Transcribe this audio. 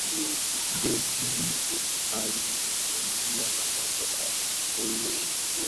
Debby alimwambia Jacob hawezi kuwapata wauwaji maana ni hatari sana